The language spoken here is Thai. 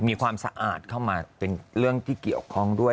มีความสะอาดเข้ามาเป็นเรื่องที่เกี่ยวข้องด้วย